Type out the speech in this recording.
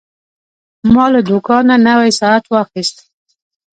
ما له دوکانه نوی ساعت واخیست.